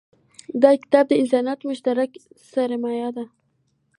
دا کتاب د انسانیت مشترکه سرمایه ده.